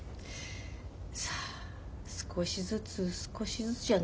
さあ少しずつ少しずつじゃないかな。